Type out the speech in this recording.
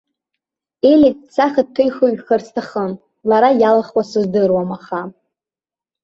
Ели дсахьаҭыхҩхар сҭахын, лара иалылхуа сыздыруам аха.